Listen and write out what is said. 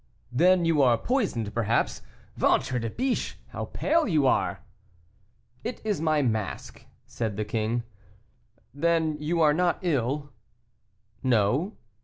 "Then you are poisoned, perhaps. Ventre de biche! how pale you are!" "It is my mask," said the king. "Then you are not ill?" "No."